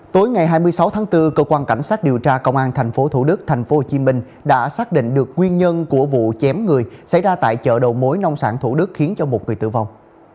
tối ngày hai mươi sáu tháng bốn cơ quan cảnh sát điều tra công an tp thủ đức tp hcm đã xác định được nguyên nhân của vụ chém người xảy ra tại chợ đầu mối nông sản thủ đức khiến cho một người tử vong